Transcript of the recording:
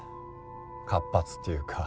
活発っていうか